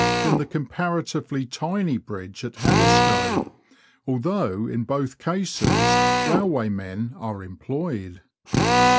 than the comparatively tiny bridge at Haddiscoe, although in both cases railway men are employed.